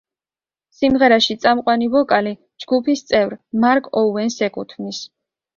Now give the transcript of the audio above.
სიმღერაში წამყვანი ვოკალი ჯგუფის წევრ მარკ ოუენს ეკუთვნის.